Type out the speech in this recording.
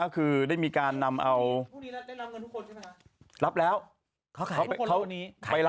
คือได้มีการนำเอารับแล้วเขาขายรอบนี้